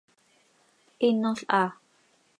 ¡Hinol haa!